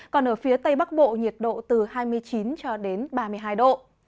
còn ở phía tây bắc bộ nhiệt độ từ hai mươi chín cho đến ba mươi hai độ